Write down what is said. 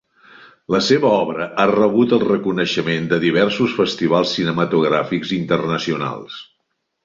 La seva obra ha rebut el reconeixement de diversos festivals cinematogràfics internacionals.